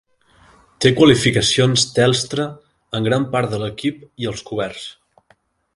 Té qualificacions Telstra en gran part de l'equip i els coberts.